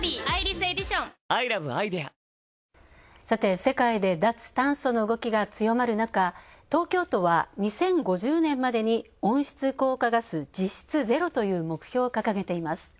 さて、世界で脱炭素の動きが強まる中東京都は２０５０年までに温室効果ガス実質ゼロという目標を掲げています。